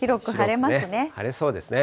晴れそうですね。